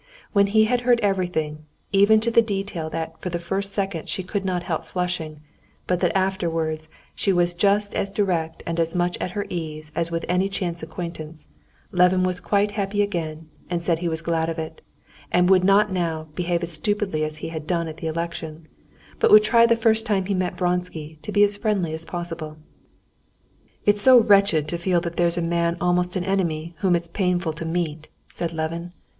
When he had heard everything, even to the detail that for the first second she could not help flushing, but that afterwards she was just as direct and as much at her ease as with any chance acquaintance, Levin was quite happy again and said he was glad of it, and would not now behave as stupidly as he had done at the election, but would try the first time he met Vronsky to be as friendly as possible. "It's so wretched to feel that there's a man almost an enemy whom it's painful to meet," said Levin.